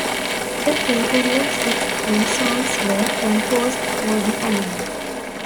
A total of six theme songs were composed for the anime.